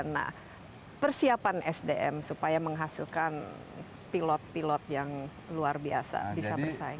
nah persiapan sdm supaya menghasilkan pilot pilot yang luar biasa bisa bersaing